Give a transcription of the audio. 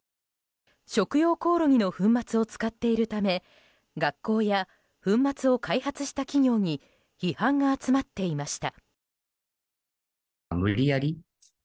食用コオロギの粉末を使っているため学校や粉末を開発した企業に批判が集まっていました。